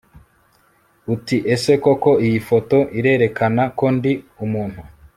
uti ese koko iyi foto irerekana ko ndi umuntu